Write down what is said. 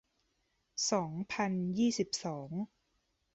สองพันยี่สิบสอง